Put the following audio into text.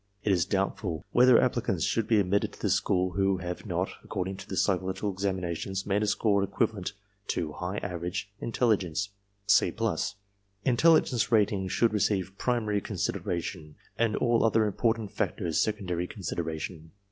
... It is doubtful whether applicants should be admitted to the school who 1^ have not, according to the psychological examinations, made a score I equivalent to "high average" intelligence (C+). ... Intelligence rating should receive primary consideration, and all other important I factors secondary consideration.